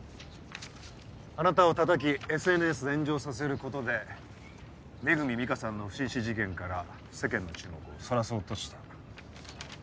あなたをたたきＳＮＳで炎上させることで恵美佳さんの不審死事件から世間の注目をそらそうとした。